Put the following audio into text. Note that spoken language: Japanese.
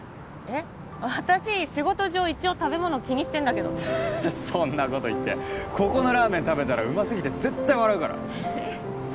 えっ私仕事上一応食べ物気にしてんだけどそんなこと言ってここのラーメン食べたらうますぎて絶対笑うからえっ？